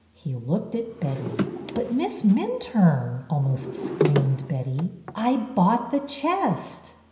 He looked at Betty. " But, Miss Minturne," almost screamed Betty, " I bought the chest."